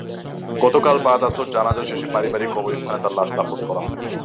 গতকাল বাদ আসর জানাজা শেষে পারিবারিক কবরস্থানে তাঁর লাশ দাফন করা হয়।